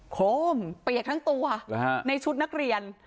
โคมเปียกทั้งตัวในชุดนักเรียน